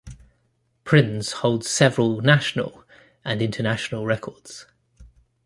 Prinz holds several national and international records.